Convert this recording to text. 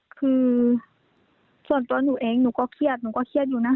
คือส่วนตัวหนูเองหนูก็เครียดหนูก็เครียดอยู่นะ